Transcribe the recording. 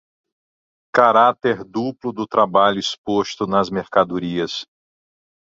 Carácter duplo do trabalho exposto nas mercadorias